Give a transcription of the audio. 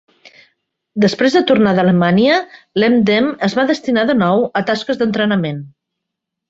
Després de tornar a Alemanya, l'Emden es va destinar de nou a tasques d'entrenament.